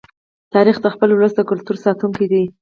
تاریخ د خپل ولس د کلتور ساتونکی دی.